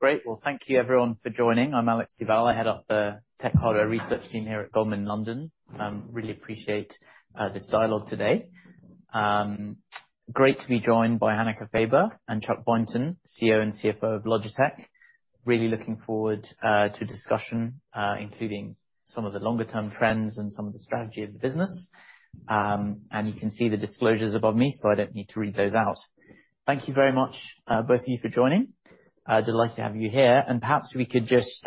Great. Well, thank you everyone for joining. I'm Alex Duval, I head up the tech hardware research team here at Goldman in London. Really appreciate this dialogue today. Great to be joined by Hanneke Faber and Chuck Boynton, CEO and CFO of Logitech. Really looking forward to a discussion including some of the longer term trends and some of the strategy of the business. And you can see the disclosures above me, so I don't need to read those out. Thank you very much, both of you, for joining. Delighted to have you here, and perhaps we could just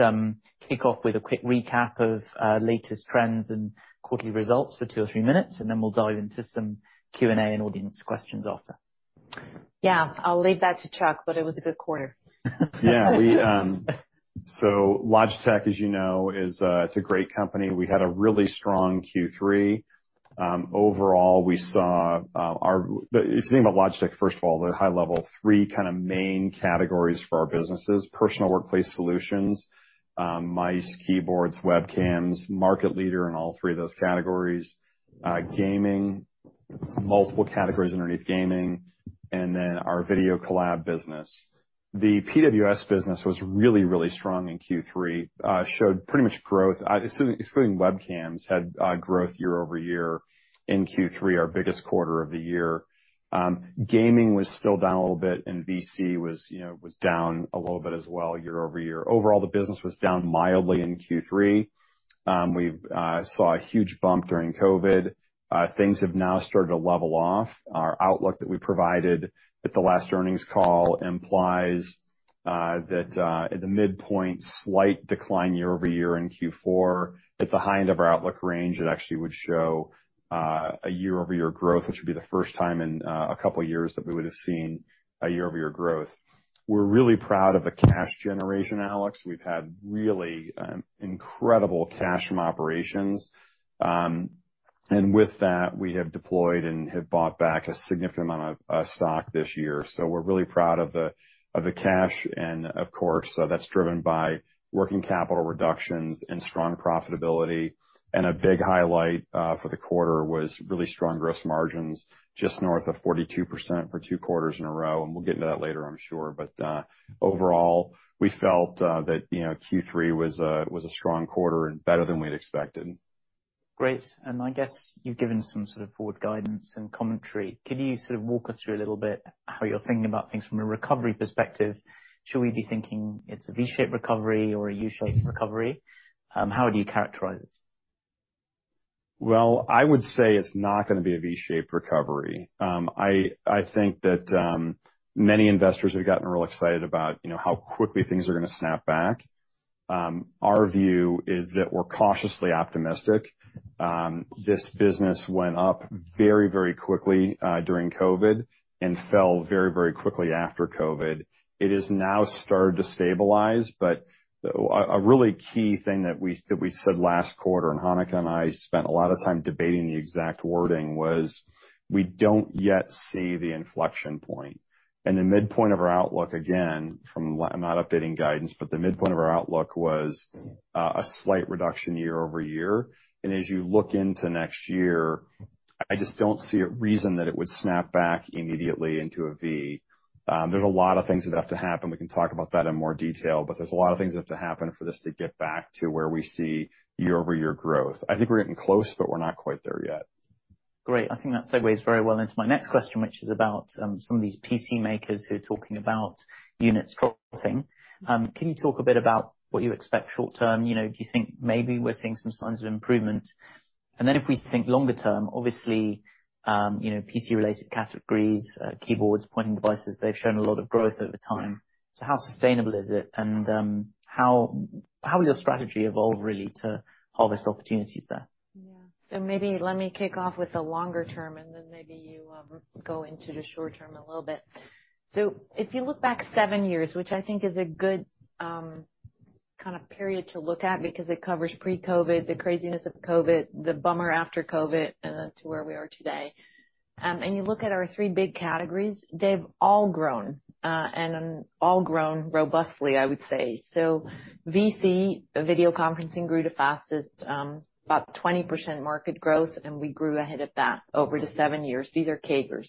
kick off with a quick recap of latest trends and quarterly results for two or three minutes, and then we'll dive into some Q&A and audience questions after. Yeah, I'll leave that to Chuck, but it was a good quarter. Yeah, we, so Logitech, as you know, is, it's a great company. We had a really strong Q3. Overall, we saw. If you think about Logitech, first of all, the high level, three kind of main categories for our business is Personal Workspace Solutions, mice, keyboards, webcams, market leader in all three of those categories. Gaming, multiple categories underneath gaming, and then our Video Collab business. The PWS business was really, really strong in Q3. Showed pretty much growth, excluding webcams, had growth year-over-year in Q3, our biggest quarter of the year. Gaming was still down a little bit, and VC was, you know, was down a little bit as well, year-over-year. Overall, the business was down mildly in Q3. We saw a huge bump during COVID. Things have now started to level off. Our outlook that we provided at the last earnings call implies that at the midpoint, slight decline year-over-year in Q4. At the high end of our outlook range, it actually would show a year-over-year growth, which would be the first time in a couple years that we would have seen a year-over-year growth. We're really proud of the cash generation, Alex. We've had really incredible cash from operations. And with that, we have deployed and have bought back a significant amount of stock this year. So we're really proud of the, of the cash, and of course, that's driven by working capital reductions and strong profitability. A big highlight for the quarter was really strong gross margins, just north of 42% for two quarters in a row, and we'll get into that later, I'm sure. But overall, we felt that, you know, Q3 was a strong quarter and better than we'd expected. Great. And I guess you've given some sort of forward guidance and commentary. Can you sort of walk us through a little bit how you're thinking about things from a recovery perspective? Should we be thinking it's a V-shaped recovery or a U-shaped recovery? How would you characterize it? Well, I would say it's not gonna be a V-shaped recovery. I think that many investors have gotten real excited about, you know, how quickly things are gonna snap back. Our view is that we're cautiously optimistic. This business went up very, very quickly during COVID, and fell very, very quickly after COVID. It has now started to stabilize, but a really key thing that we said last quarter, and Hanneke and I spent a lot of time debating the exact wording, was we don't yet see the inflection point. The midpoint of our outlook, again, from what... I'm not updating guidance, but the midpoint of our outlook was a slight reduction year-over-year. As you look into next year, I just don't see a reason that it would snap back immediately into a V. There's a lot of things that have to happen. We can talk about that in more detail, but there's a lot of things that have to happen for this to get back to where we see year-over-year growth. I think we're getting close, but we're not quite there yet. Great. I think that segues very well into my next question, which is about some of these PC makers who are talking about units falling. Can you talk a bit about what you expect short term? You know, do you think maybe we're seeing some signs of improvement? And then if we think longer term, obviously, you know, PC-related categories, keyboards, pointing devices, they've shown a lot of growth over time. So how sustainable is it? And how will your strategy evolve, really, to harvest the opportunities there? Yeah. So maybe let me kick off with the longer term, and then maybe you go into the short term a little bit. So if you look back seven years, which I think is a good kind of period to look at, because it covers pre-COVID, the craziness of COVID, the bummer after COVID, and then to where we are today, and you look at our three big categories, they've all grown, and all grown robustly, I would say. So VC, video conferencing, grew the fastest, about 20% market growth, and we grew ahead of that over the seven years. These are CAGRs.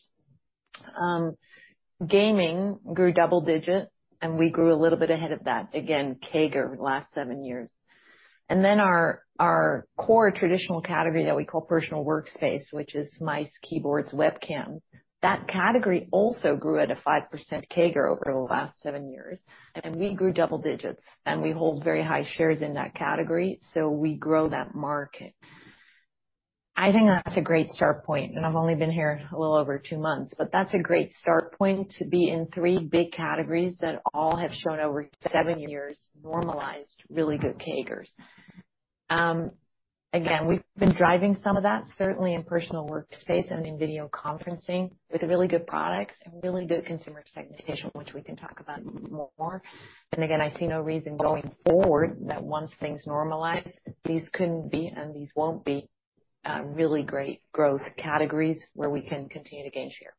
Gaming grew double digits, and we grew a little bit ahead of that. Again, CAGR, last seven years. And then our, our core traditional category that we call personal workspace, which is mice, keyboards, webcam, that category also grew at a 5% CAGR over the last 7 years, and we grew double digits, and we hold very high shares in that category, so we grow that market. I think that's a great start point, and I've only been here a little over 2 months, but that's a great start point, to be in 3 big categories that all have shown over 7 years, normalized, really good CAGRs. Again, we've been driving some of that, certainly in personal workspace and in video conferencing, with really good products and really good consumer segmentation, which we can talk about more. And again, I see no reason going forward that once things normalize, these couldn't be, and these won't be, really great growth categories where we can continue to gain share.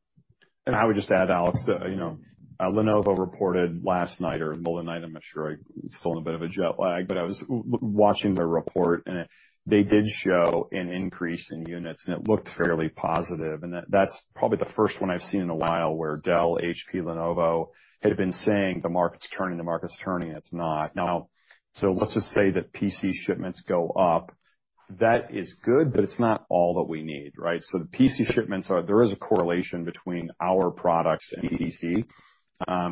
And I would just add, Alex, you know, Lenovo reported last night or the night, I'm not sure, I'm still in a bit of a jet lag, but I was watching the report, and they did show an increase in units, and it looked fairly positive. And that's probably the first one I've seen in a while, where Dell, HP, Lenovo had been saying, "The market's turning. The market's turning," and it's not. Now, so let's just say that PC shipments go up. That is good, but it's not all that we need, right? So the PC shipments are—there is a correlation between our products and PC.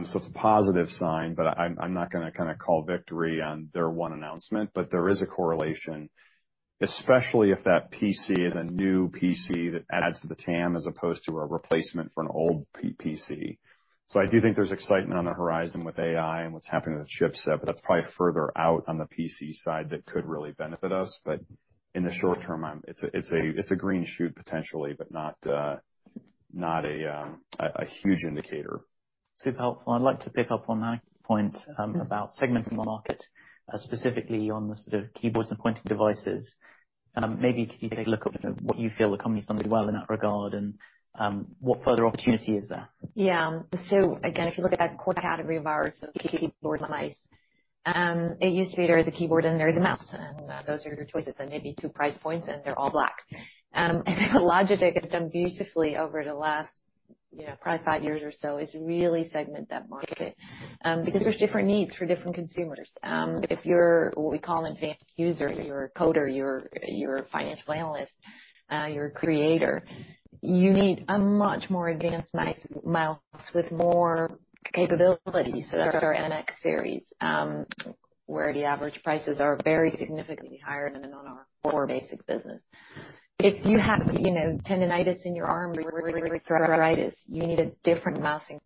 So it's a positive sign, but I'm not gonna kinda call victory on their one announcement. But there is a correlation, especially if that PC is a new PC that adds to the TAM, as opposed to a replacement for an old PC. So I do think there's excitement on the horizon with AI and what's happening with chipset, but that's probably further out on the PC side that could really benefit us. But in the short term, it's a green shoot, potentially, but not a huge indicator. Super helpful. I'd like to pick up on that point, about segmenting the market, specifically on the sort of keyboards and pointing devices. Maybe can you take a look at what you feel the company's done well in that regard? And, what further opportunity is there? Yeah. So again, if you look at that core category of ours, so keyboards and mice, it used to be there is a keyboard and there is a mouse, and those are your choices, and maybe 2 price points, and they're all black. And Logitech has done beautifully over the last, you know, probably 5 years or so, is really segment that market, because there's different needs for different consumers. If you're what we call an advanced user, you're a coder, you're a financial analyst, you're a creator, you need a much more advanced mice, mouse with more capabilities. So that's our MX series, where the average prices are very significantly higher than in our more basic business. If you have, you know, tendonitis in your arm, or wrist arthritis, you need a different mouse and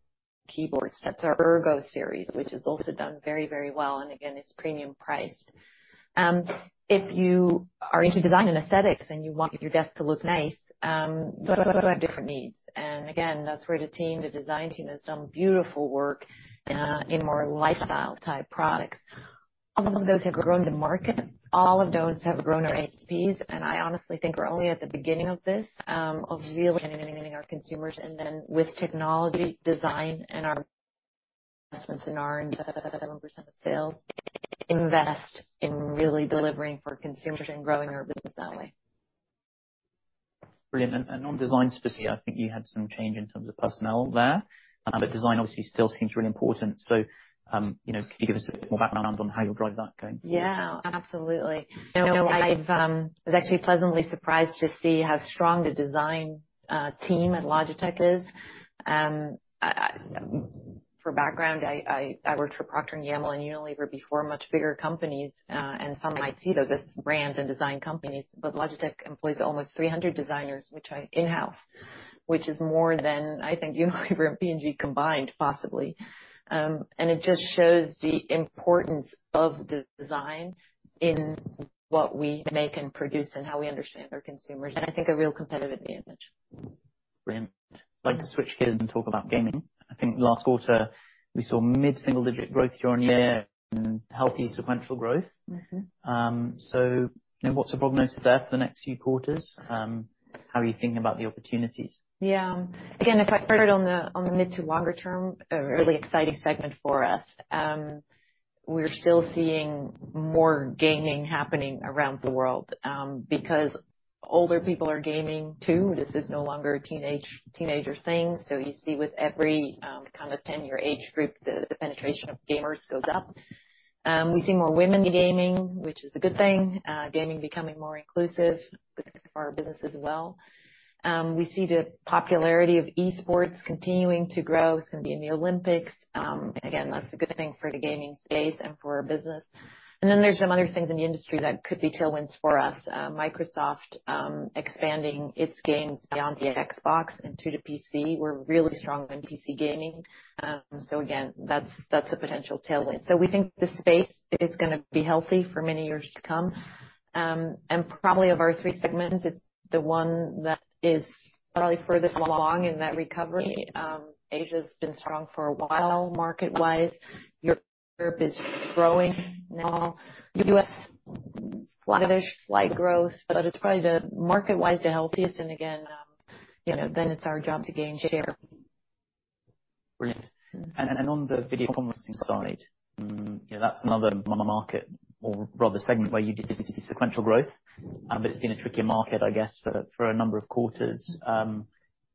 keyboard. That's our Ergo series, which has also done very, very well, and again, it's premium priced. If you are into design and aesthetics, and you want your desk to look nice, you also have different needs. And again, that's where the team, the design team, has done beautiful work in more lifestyle-type products. All of those have grown the market. All of those have grown our ASPs, and I honestly think we're only at the beginning of this, of really meeting our consumers, and then with technology, design, and our investments in our 7% of sales, invest in really delivering for consumers and growing our business that way. Brilliant. And on design specifically, I think you had some change in terms of personnel there, but design obviously still seems really important. So, you know, can you give us a bit more background on how you'll drive that going forward? Yeah, absolutely. So I was actually pleasantly surprised to see how strong the design team at Logitech is. For background, I worked for Procter & Gamble and Unilever before, much bigger companies, and some might see those as brands and design companies, but Logitech employs almost 300 designers, which are in-house, which is more than, I think, Unilever and P&G combined, possibly. And it just shows the importance of design in what we make and produce, and how we understand our consumers, and I think a real competitive advantage. Great. I'd like to switch gears and talk about gaming. I think last quarter, we saw mid-single-digit growth year-on-year and healthy sequential growth. Mm-hmm. So, you know, what's the prognosis there for the next few quarters? How are you thinking about the opportunities? Yeah. Again, if I started on the mid to longer term, a really exciting segment for us. We're still seeing more gaming happening around the world, because older people are gaming, too. This is no longer a teenage, teenager thing. So you see with every kind of 10-year age group, the penetration of gamers goes up. We see more women gaming, which is a good thing. Gaming becoming more inclusive, good for our business as well. We see the popularity of eSports continuing to grow. It's going to be in the Olympics. Again, that's a good thing for the gaming space and for our business. And then there's some other things in the industry that could be tailwinds for us. Microsoft expanding its games beyond the Xbox and to the PC. We're really strong on PC gaming. So again, that's a potential tailwind. So we think the space is gonna be healthy for many years to come. And probably of our three segments, it's the one that is probably furthest along in that recovery. Asia's been strong for a while, market-wise. Europe is growing now. U.S., flattish, slight growth, but it's probably the, market-wise, the healthiest, and again, you know, then it's our job to gain share. Brilliant. On the video conferencing side, you know, that's another market or rather segment where you did see sequential growth, but it's been a trickier market, I guess, for a number of quarters.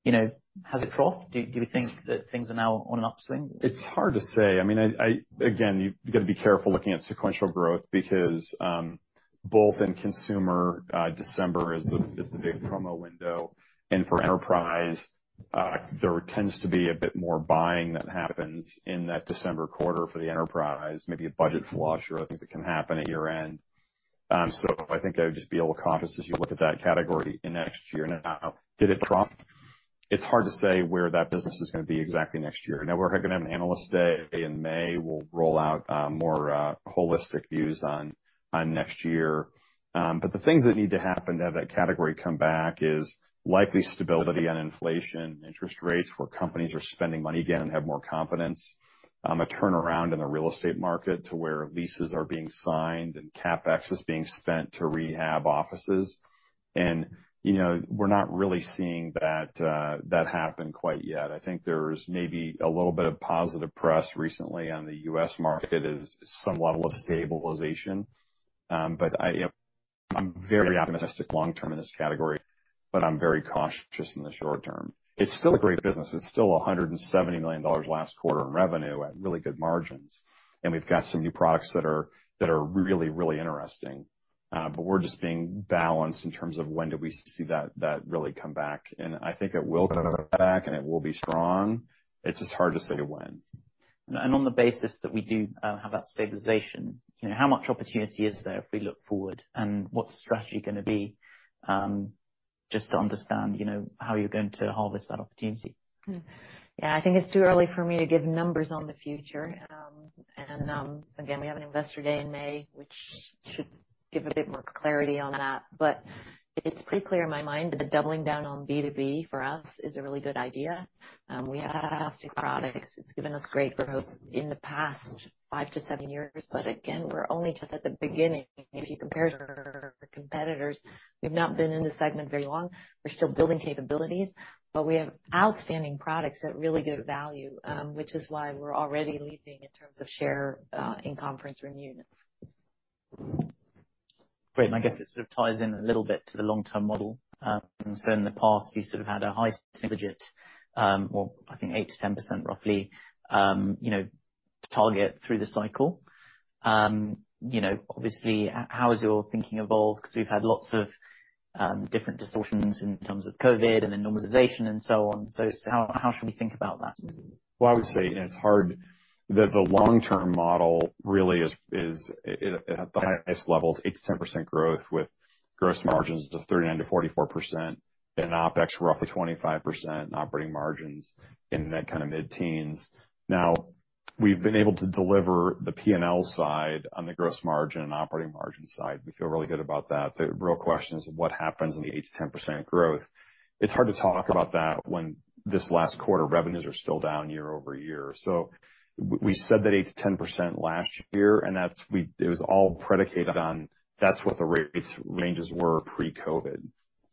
You know, has it dropped? Do you think that things are now on an upswing? It's hard to say. I mean, again, you've got to be careful looking at sequential growth because both in consumer, December is the big promo window, and for enterprise, there tends to be a bit more buying that happens in that December quarter for the enterprise, maybe a budget flush or other things that can happen at year-end. So I think I would just be a little cautious as you look at that category in next year. Now, did it drop? It's hard to say where that business is gonna be exactly next year. Now, we're gonna have an analyst day in May. We'll roll out more holistic views on next year. But the things that need to happen to have that category come back is likely stability on inflation, interest rates, where companies are spending money again and have more confidence, a turnaround in the real estate market to where leases are being signed and CapEx is being spent to rehab offices. And, you know, we're not really seeing that, that happen quite yet. I think there's maybe a little bit of positive press recently on the U.S. market as some level of stabilization. But I’m very optimistic long term in this category... but I’m very cautious in the short term. It's still a great business. It's still $170 million last quarter in revenue at really good margins, and we've got some new products that are really, really interesting. But we're just being balanced in terms of when do we see that really come back, and I think it will come back, and it will be strong. It's just hard to say when. On the basis that we do have that stabilization, you know, how much opportunity is there if we look forward, and what's the strategy gonna be? Just to understand, you know, how you're going to harvest that opportunity. Yeah, I think it's too early for me to give numbers on the future. Again, we have an investor day in May, which should give a bit more clarity on that. But it's pretty clear in my mind that the doubling down on B2B for us is a really good idea. We have fantastic products. It's given us great growth in the past 5-7 years, but again, we're only just at the beginning. If you compare to our competitors, we've not been in the segment very long. We're still building capabilities, but we have outstanding products at really good value, which is why we're already leading in terms of share, in conference room units. Great. And I guess it sort of ties in a little bit to the long-term model. So in the past, you sort of had a high target, or I think 8%-10% roughly, you know, target through the cycle. You know, obviously, how has your thinking evolved? Because we've had lots of different distortions in terms of COVID and then normalization and so on. So how should we think about that? Well, I would say, and it's hard, that the long-term model really is at the highest levels, 8%-10% growth, with gross margins of 39%-44%, and OpEx roughly 25%, and operating margins in that kind of mid-teens. Now, we've been able to deliver the P&L side on the gross margin and operating margin side. We feel really good about that. The real question is what happens in the 8%-10% growth? It's hard to talk about that when this last quarter, revenues are still down year-over-year. So we said that 8%-10% last year, and that's it was all predicated on that's what the rates ranges were pre-COVID.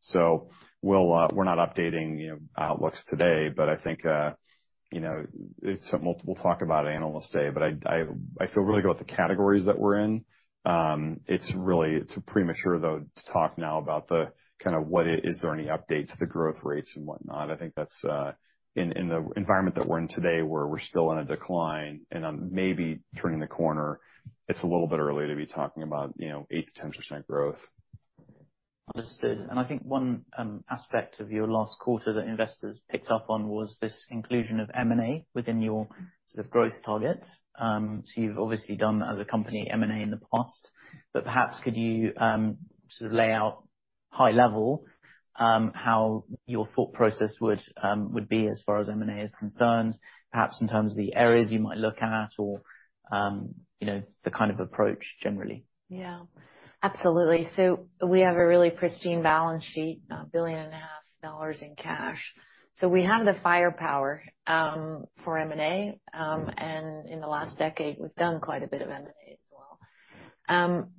So we'll, we're not updating, you know, outlooks today, but I think, you know, it's something we'll talk about at Analyst Day. But I feel really good with the categories that we're in. It's premature, though, to talk now about the kind of what is, is there any update to the growth rates and whatnot? I think that's, in the environment that we're in today, where we're still in a decline and, maybe turning the corner, it's a little bit early to be talking about, you know, 8%-10% growth. Understood. And I think one aspect of your last quarter that investors picked up on was this inclusion of M&A within your sort of growth targets. So you've obviously done, as a company, M&A in the past, but perhaps could you sort of lay out high level how your thought process would be as far as M&A is concerned, perhaps in terms of the areas you might look at or you know, the kind of approach generally? Yeah. Absolutely. So we have a really pristine balance sheet, $1.5 billion in cash. So we have the firepower for M&A, and in the last decade, we've done quite a bit of M&A as well.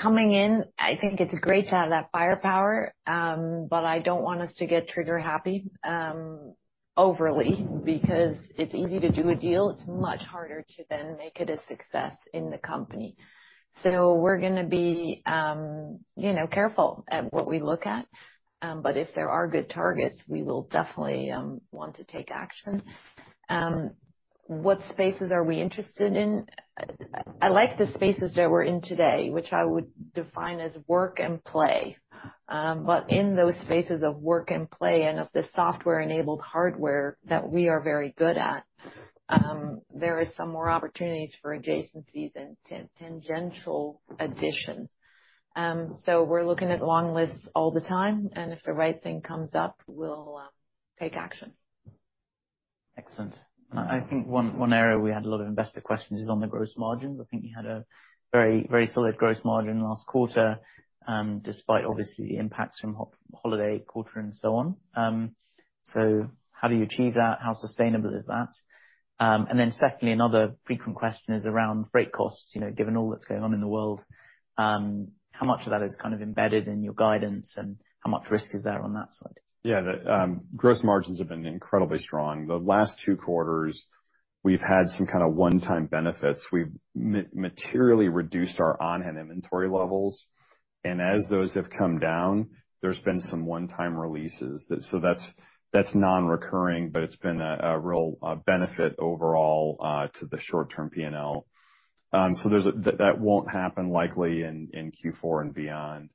Coming in, I think it's great to have that firepower, but I don't want us to get trigger happy overly, because it's easy to do a deal, it's much harder to then make it a success in the company. So we're gonna be, you know, careful at what we look at, but if there are good targets, we will definitely want to take action. What spaces are we interested in? I like the spaces that we're in today, which I would define as work and play. But in those spaces of work and play and of the software-enabled hardware that we are very good at, there is some more opportunities for adjacencies and tangential additions. So we're looking at long lists all the time, and if the right thing comes up, we'll take action. Excellent. I think one area we had a lot of investor questions is on the gross margins. I think you had a very, very solid gross margin last quarter, despite obviously the impacts from holiday quarter and so on. So how do you achieve that? How sustainable is that? And then secondly, another frequent question is around freight costs. You know, given all that's going on in the world, how much of that is kind of embedded in your guidance, and how much risk is there on that side? Yeah. The gross margins have been incredibly strong. The last two quarters, we've had some kind of one-time benefits. We've materially reduced our on-hand inventory levels, and as those have come down, there's been some one-time releases. So that's non-recurring, but it's been a real benefit overall to the short-term P&L. So that won't happen likely in Q4 and beyond.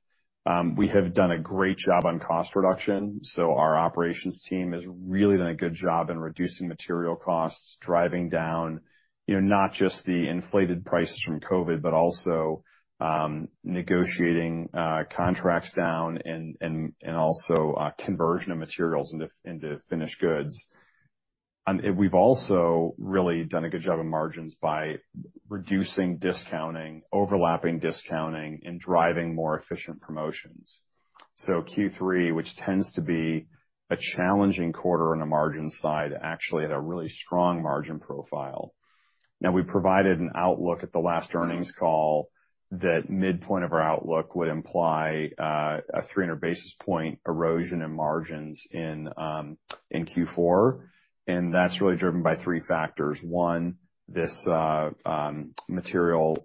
We have done a great job on cost reduction, so our operations team has really done a good job in reducing material costs, driving down, you know, not just the inflated prices from COVID, but also negotiating contracts down and also conversion of materials into finished goods. And we've also really done a good job on margins by reducing discounting, overlapping discounting, and driving more efficient promotions. So Q3, which tends to be a challenging quarter on the margin side, actually had a really strong margin profile. Now, we provided an outlook at the last earnings call that midpoint of our outlook would imply a 300 basis point erosion in margins in Q4, and that's really driven by three factors. One, this material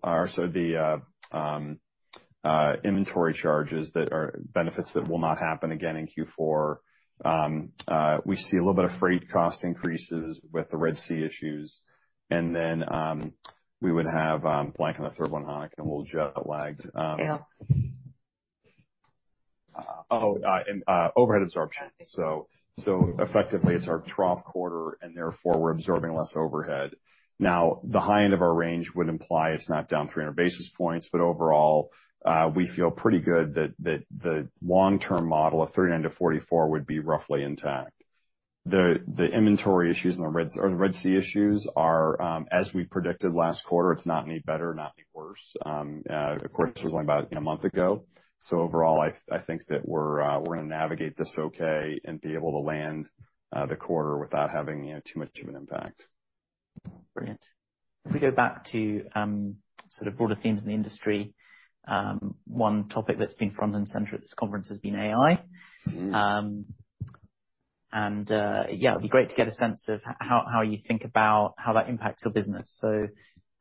inventory charges that are benefits that will not happen again in Q4. We see a little bit of freight cost increases with the Red Sea issues, and then we would have blank on the third one, Hanneke, and we're jet lagged. Yeah. Overhead absorption. So effectively, it's our trough quarter, and therefore, we're absorbing less overhead. Now, the high end of our range would imply it's not down 300 basis points, but overall, we feel pretty good that the long-term model of 39-44 would be roughly intact. The inventory issues and the Red Sea issues are, as we predicted last quarter, it's not any better, not any worse. Of course, this was only about, you know, a month ago. So overall, I think that we're gonna navigate this okay and be able to land the quarter without having, you know, too much of an impact. Brilliant. If we go back to, sort of broader themes in the industry, one topic that's been front and center at this conference has been AI. Mm-hmm. Yeah, it'd be great to get a sense of how you think about how that impacts your business. So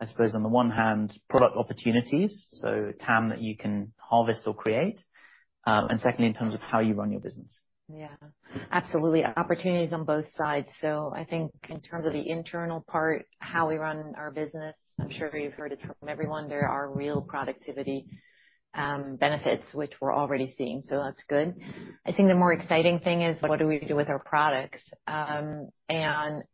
I suppose on the one hand, product opportunities, so TAM that you can harvest or create, and secondly, in terms of how you run your business. Yeah. Absolutely. Opportunities on both sides. So I think in terms of the internal part, how we run our business, I'm sure you've heard it from everyone, there are real productivity benefits, which we're already seeing, so that's good. I think the more exciting thing is what do we do with our products? And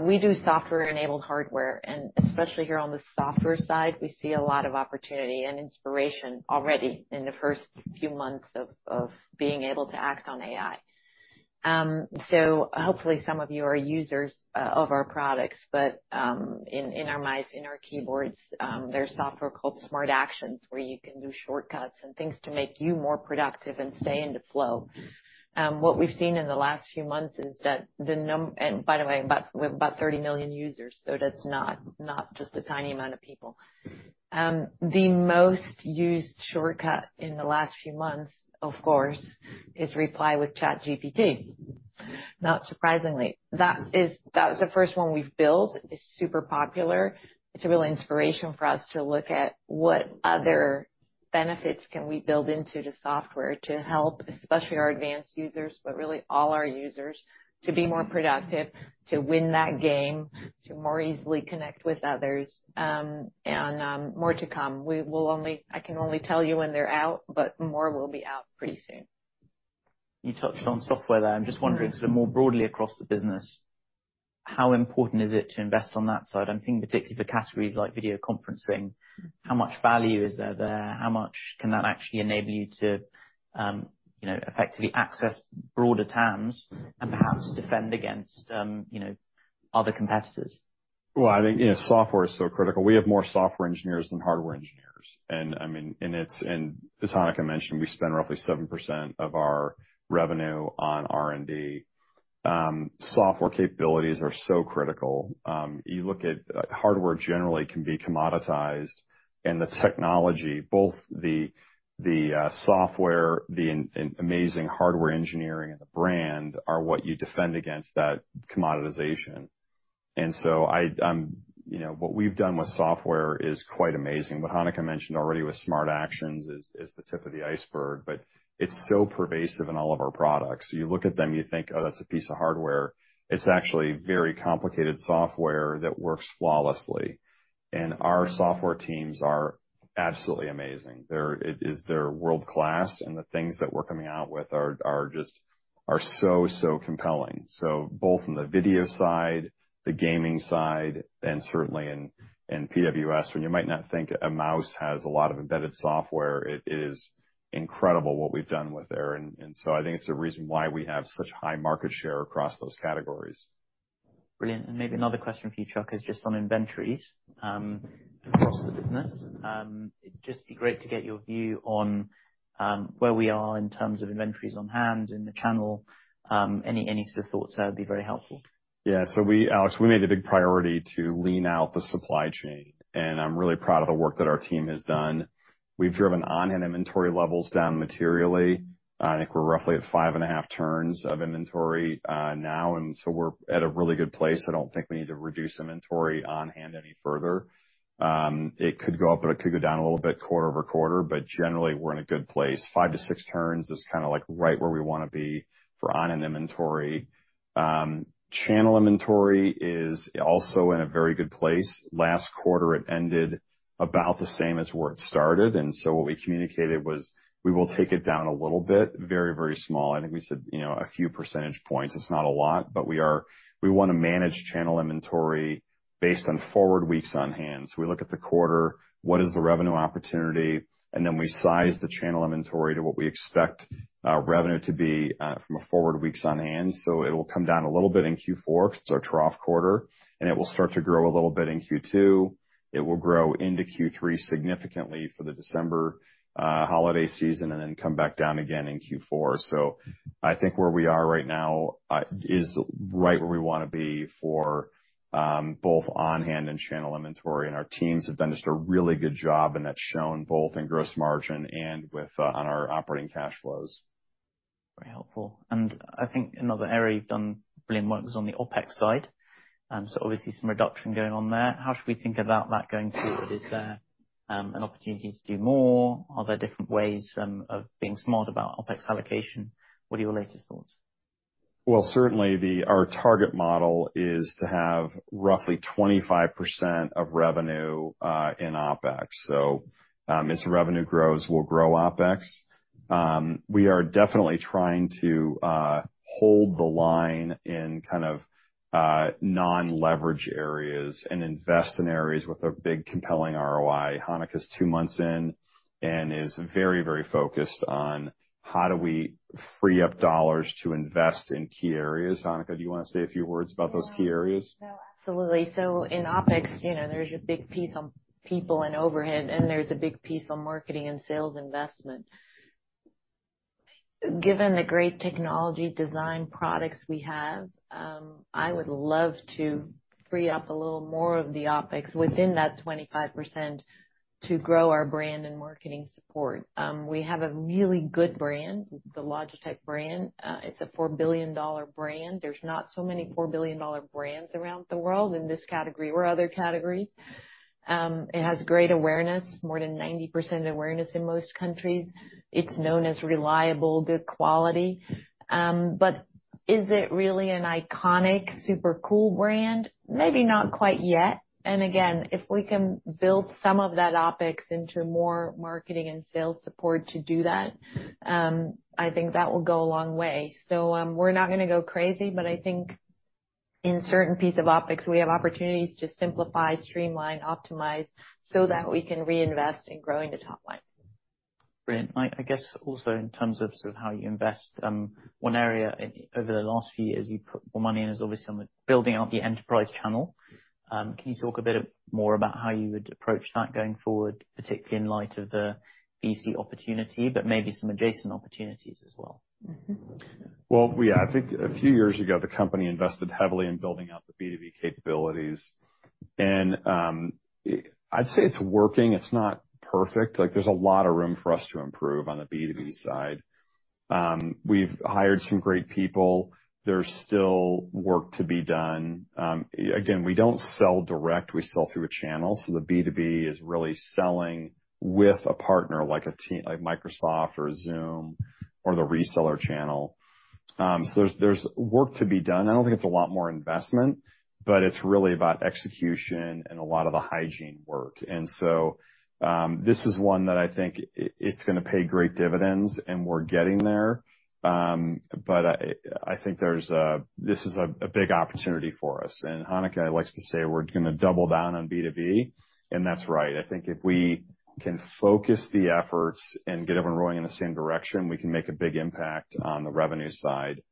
we do software-enabled hardware, and especially here on the software side, we see a lot of opportunity and inspiration already in the first few months of being able to act on AI. So hopefully some of you are users of our products, but in our mice, in our keyboards, there's software called Smart Actions, where you can do shortcuts and things to make you more productive and stay in the flow. What we've seen in the last few months is that—and by the way, we've about 30 million users, so that's not just a tiny amount of people. The most used shortcut in the last few months, of course, is Reply with ChatGPT. Not surprisingly. That was the first one we've built. It's super popular. It's a real inspiration for us to look at what other benefits can we build into the software to help, especially our advanced users, but really all our users, to be more productive, to win that game, to more easily connect with others, and more to come. We will only—I can only tell you when they're out, but more will be out pretty soon. You touched on software there. I'm just wondering, sort of more broadly across the business, how important is it to invest on that side? I'm thinking particularly for categories like video conferencing, how much value is there there? How much can that actually enable you to, you know, effectively access broader TAMs- Mm-hmm. -and perhaps defend against, you know, other competitors? Well, I think, you know, software is so critical. We have more software engineers than hardware engineers, and, I mean, and it's -- and as Hanneke mentioned, we spend roughly 7% of our revenue on R&D. Software capabilities are so critical. You look at hardware generally can be commoditized, and the technology, both the software, the amazing hardware engineering and the brand, are what you defend against that commoditization. And so I'm, you know, what we've done with software is quite amazing. What Hanneke mentioned already with Smart Actions is the tip of the iceberg, but it's so pervasive in all of our products. You look at them, you think, "Oh, that's a piece of hardware." It's actually very complicated software that works flawlessly, and our software teams are absolutely amazing. They're... It is, they're world-class, and the things that we're coming out with are just so compelling. So both in the video side, the gaming side, and certainly in PWS, when you might not think a mouse has a lot of embedded software, it is incredible what we've done with there, and so I think it's the reason why we have such high market share across those categories. Brilliant. Maybe another question for you, Chuck, is just on inventories across the business. It'd just be great to get your view on where we are in terms of inventories on-hand in the channel. Any sort of thoughts there would be very helpful. Yeah. So, Alex, we made it a big priority to lean out the supply chain, and I'm really proud of the work that our team has done. We've driven on-hand inventory levels down materially. I think we're roughly at 5.5 turns of inventory now, and so we're at a really good place. I don't think we need to reduce inventory on-hand any further. It could go up, but it could go down a little bit quarter-over-quarter, but generally, we're in a good place. 5-6 turns is kind of like right where we want to be for on-hand inventory. Channel inventory is also in a very good place. Last quarter, it ended about the same as where it started, and so what we communicated was we will take it down a little bit, very, very small. I think we said, you know, a few percentage points. It's not a lot, but we are, we want to manage channel inventory based on forward weeks on hand. So we look at the quarter, what is the revenue opportunity? And then we size the channel inventory to what we expect, revenue to be, from a forward weeks on hand. So it'll come down a little bit in Q4 because it's our trough quarter, and it will start to grow a little bit in Q2. It will grow into Q3 significantly for the December, holiday season, and then come back down again in Q4. I think where we are right now is right where we want to be for both on-hand and channel inventory, and our teams have done just a really good job, and that's shown both in gross margin and with on our operating cash flows.... Very helpful. And I think another area you've done brilliant work was on the OpEx side. So obviously some reduction going on there. How should we think about that going forward? Is there an opportunity to do more? Are there different ways of being smart about OpEx allocation? What are your latest thoughts? Well, certainly, our target model is to have roughly 25% of revenue in OpEx. So, as the revenue grows, we'll grow OpEx. We are definitely trying to hold the line in kind of non-leverage areas and invest in areas with a big compelling ROI. Hanneke's two months in and is very, very focused on how do we free up dollars to invest in key areas. Hanneke, do you wanna say a few words about those key areas? No, absolutely. So in OpEx, you know, there's a big piece on people and overhead, and there's a big piece on marketing and sales investment. Given the great technology design products we have, I would love to free up a little more of the OpEx within that 25% to grow our brand and marketing support. We have a really good brand, the Logitech brand. It's a $4 billion brand. There's not so many $4 billion brands around the world in this category or other categories. It has great awareness, more than 90% awareness in most countries. It's known as reliable, good quality. But is it really an iconic, super cool brand? Maybe not quite yet. And again, if we can build some of that OpEx into more marketing and sales support to do that, I think that will go a long way. So, we're not gonna go crazy, but I think in certain pieces of OpEx, we have opportunities to simplify, streamline, optimize, so that we can reinvest in growing the top line. Brilliant. I guess also in terms of sort of how you invest, one area over the last few years, you've put more money in, is obviously on the building out the enterprise channel. Can you talk a bit more about how you would approach that going forward, particularly in light of the B2B opportunity, but maybe some adjacent opportunities as well? Mm-hmm. Well, yeah, I think a few years ago, the company invested heavily in building out the B2B capabilities, and I'd say it's working. It's not perfect. Like, there's a lot of room for us to improve on the B2B side. We've hired some great people. There's still work to be done. Again, we don't sell direct, we sell through a channel, so the B2B is really selling with a partner, like a T- like Microsoft or Zoom or the reseller channel. So there's, there's work to be done. I don't think it's a lot more investment, but it's really about execution and a lot of the hygiene work. And so, this is one that I think i- it's gonna pay great dividends, and we're getting there. But I think this is a big opportunity for us, and Hanneke likes to say, we're gonna double down on B2B, and that's right. I think if we can focus the efforts and get everyone rowing in the same direction, we can make a big impact on the revenue side.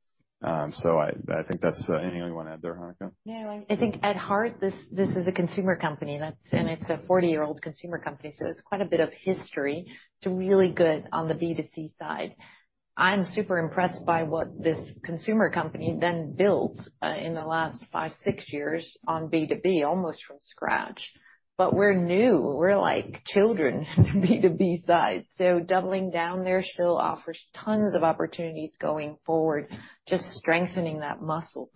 So I think that's... Anything you wanna add there, Hanneke? No, I think at heart, this is a consumer company, that's, and it's a 40-year-old consumer company, so it's quite a bit of history. It's really good on the B2C side. I'm super impressed by what this consumer company then built in the last 5, 6 years on B2B, almost from scratch. But we're new. We're like children in the B2B side. So doubling down there still offers tons of opportunities going forward, just strengthening that muscle.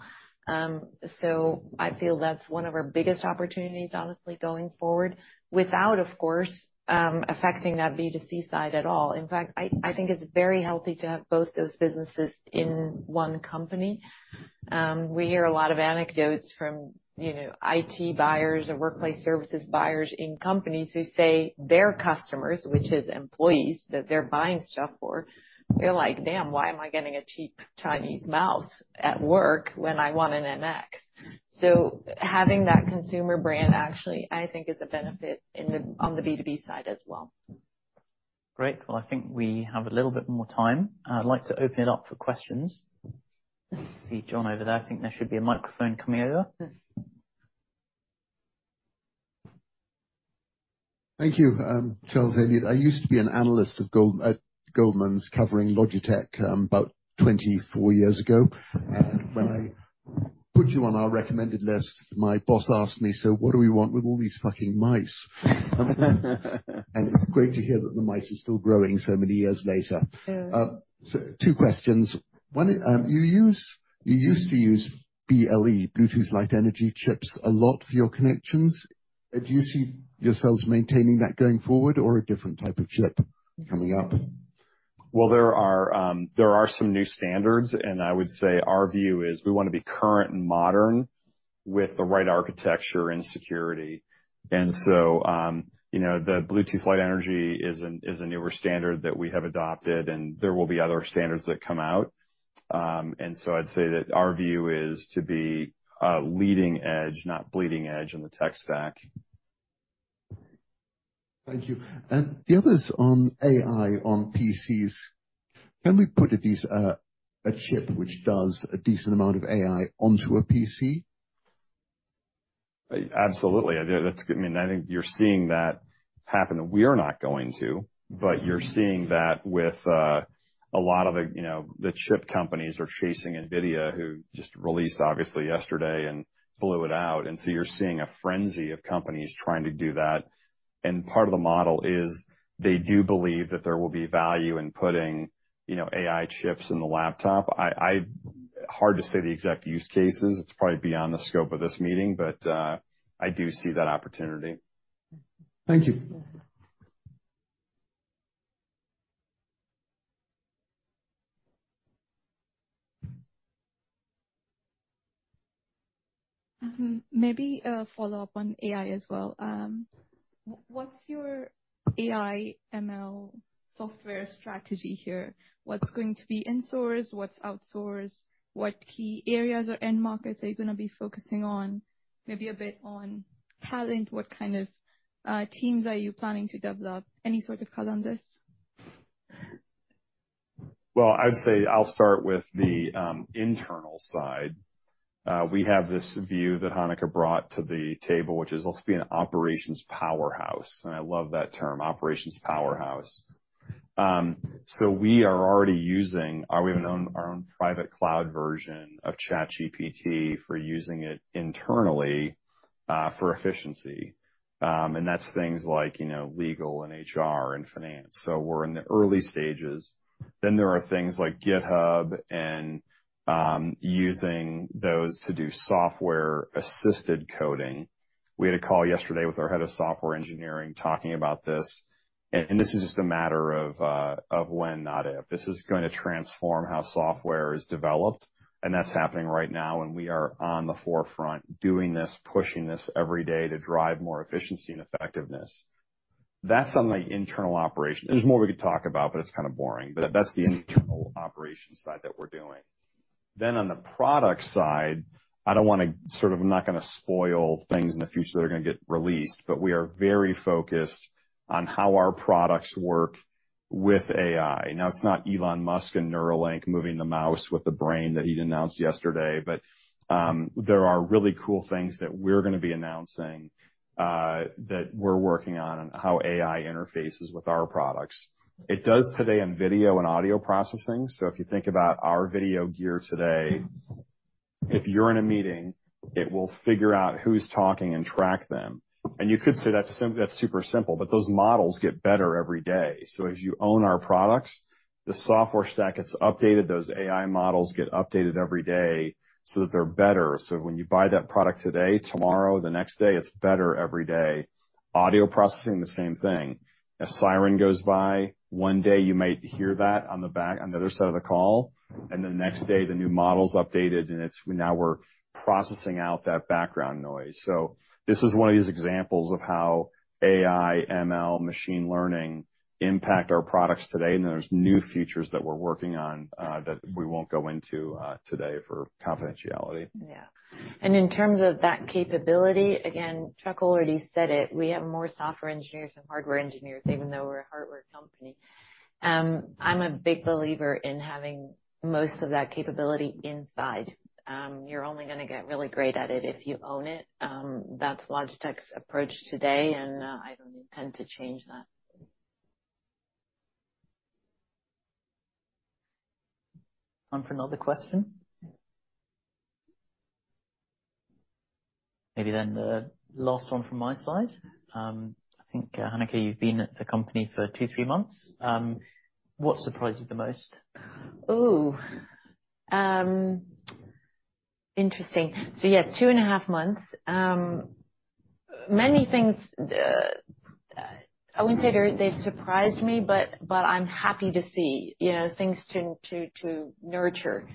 So I feel that's one of our biggest opportunities, honestly, going forward, without, of course, affecting that B2C side at all. In fact, I think it's very healthy to have both those businesses in one company. We hear a lot of anecdotes from, you know, IT buyers or workplace services buyers in companies who say their customers, which is employees, that they're buying stuff for, they're like, "Damn, why am I getting a cheap Chinese mouse at work when I want an MX?" So having that consumer brand, actually, I think, is a benefit in the- on the B2B side as well. Great. Well, I think we have a little bit more time. I'd like to open it up for questions. I see John over there. I think there should be a microphone coming over. Thank you. Charles Elliott, I used to be an analyst at Goldman's covering Logitech, about 24 years ago. And when I put you on our recommended list, my boss asked me, "So what do we want with all these fucking mice?" And it's great to hear that the mice is still growing so many years later. Yeah. So two questions: One, you used to use BLE, Bluetooth Low Energy chips, a lot for your connections. Do you see yourselves maintaining that going forward or a different type of chip coming up? Well, there are some new standards, and I would say our view is we wanna be current and modern with the right architecture and security. And so, you know, the Bluetooth Low Energy is a newer standard that we have adopted, and there will be other standards that come out. And so I'd say that our view is to be leading edge, not bleeding edge in the tech stack. Thank you. The other is on AI on PCs. Can we put a chip which does a decent amount of AI onto a PC? Absolutely. I do. That's, I mean, I think you're seeing that happen. We are not going to, but you're seeing that with a lot of the, you know, the chip companies are chasing NVIDIA, who just released, obviously, yesterday, and blew it out. And so you're seeing a frenzy of companies trying to do that. And part of the model is they do believe that there will be value in putting, you know, AI chips in the laptop. I, I—Hard to say the exact use cases, it's probably beyond the scope of this meeting, but I do see that opportunity. Thank you. Maybe a follow-up on AI as well. What's your AI ML software strategy here? What's going to be in-source, what's outsource? What key areas or end markets are you gonna be focusing on? Maybe a bit on talent, what kind of teams are you planning to develop? Any sort of color on this? Well, I'd say I'll start with the internal side. We have this view that Hanneke brought to the table, which is also be an operations powerhouse, and I love that term, operations powerhouse. So we are already using our own private cloud version of ChatGPT for using it internally for efficiency. And that's things like, you know, legal and HR and finance. So we're in the early stages. Then there are things like GitHub and using those to do software-assisted coding. We had a call yesterday with our head of software engineering talking about this, and this is just a matter of when, not if. This is gonna transform how software is developed, and that's happening right now, and we are on the forefront doing this, pushing this every day to drive more efficiency and effectiveness. That's on the internal operation. There's more we could talk about, but it's kind of boring, but that's the internal operations side that we're doing. Then on the product side, I don't wanna sort of, I'm not gonna spoil things in the future that are gonna get released, but we are very focused on how our products work with AI. Now, it's not Elon Musk and Neuralink moving the mouse with the brain that he'd announced yesterday, but there are really cool things that we're gonna be announcing that we're working on, on how AI interfaces with our products. It does today in video and audio processing, so if you think about our video gear today, if you're in a meeting, it will figure out who's talking and track them. And you could say, that's super simple, but those models get better every day. So as you own our products, the software stack gets updated, those AI models get updated every day, so that they're better. So when you buy that product today, tomorrow, the next day, it's better every day. Audio processing, the same thing. A siren goes by, one day you might hear that on the back, on the other side of the call, and the next day, the new model's updated, and it's now we're processing out that background noise. So this is one of these examples of how AI, ML, machine learning impact our products today, and there's new features that we're working on that we won't go into today for confidentiality. Yeah. In terms of that capability, again, Chuck already said it, we have more software engineers than hardware engineers, even though we're a hardware company. I'm a big believer in having most of that capability inside. You're only gonna get really great at it if you own it. That's Logitech's approach today, and I don't intend to change that. Time for another question? Maybe then the last one from my side. I think, Hanneke, you've been at the company for 2, 3 months. What surprised you the most? Ooh! Interesting. So yeah, 2.5 months. Many things, I wouldn't say they've surprised me, but I'm happy to see, you know, things to nurture.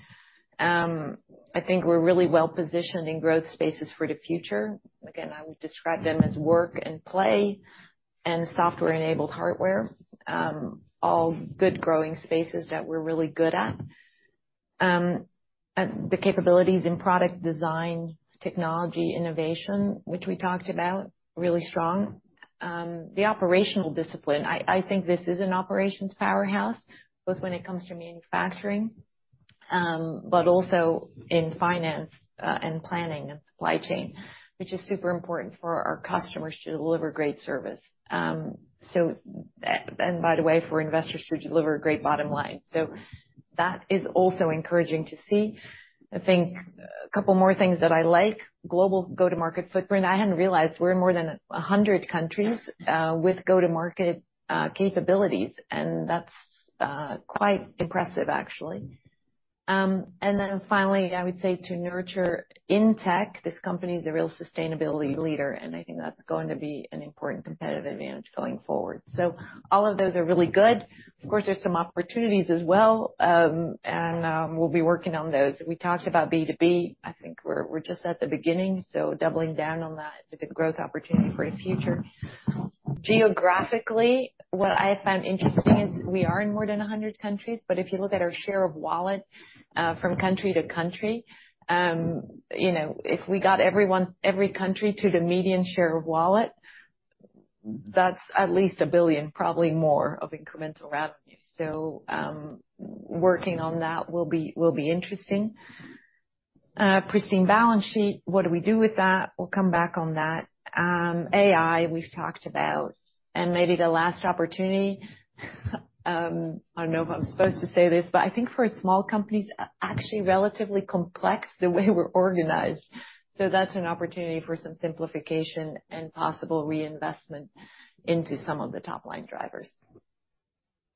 I think we're really well positioned in growth spaces for the future. Again, I would describe them as work and play, and software-enabled hardware, all good growing spaces that we're really good at. The capabilities in product design, technology, innovation, which we talked about, really strong. The operational discipline, I think this is an operations powerhouse, both when it comes to manufacturing, but also in finance, and planning and supply chain, which is super important for our customers to deliver great service. So, and by the way, for investors to deliver great bottom line. So that is also encouraging to see. I think a couple more things that I like, global go-to-market footprint. I hadn't realized we're in more than 100 countries with go-to-market capabilities, and that's quite impressive, actually. And then finally, I would say to nurture in tech, this company is a real sustainability leader, and I think that's going to be an important competitive advantage going forward. So all of those are really good. Of course, there's some opportunities as well, and we'll be working on those. We talked about B2B. I think we're just at the beginning, so doubling down on that, it's a good growth opportunity for the future. Geographically, what I find interesting is we are in more than 100 countries, but if you look at our share of wallet, from country to country, you know, if we got everyone, every country to the median share of wallet, that's at least $1 billion, probably more, of incremental revenue. So, working on that will be, will be interesting. Pristine balance sheet, what do we do with that? We'll come back on that. AI, we've talked about, and maybe the last opportunity, I don't know if I'm supposed to say this, but I think for a small company, it's actually relatively complex the way we're organized. So that's an opportunity for some simplification and possible reinvestment into some of the top line drivers.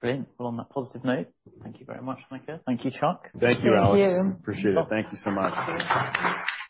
Great. Well, on that positive note, thank you very much, Hanneke. Thank you, Chuck. Thank you, Alex. Thank you. Appreciate it. Thank you so much.